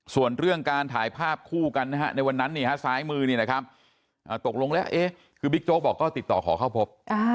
ส่วนเรื่องการถ่ายภาพคู่กันในวันนั้นเนี่ยในซ้ายมือตกลงแล้วคือบิ๊กโจ๊กบอกก็ติดต่อขอเข้าพบ